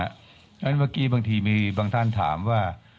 เพราะฉะนั้นเมื่อกี้บางทีมีบางท่านถามว่า